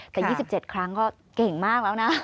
แต่๒๗ครั้งก็เก่งมากแล้วนะ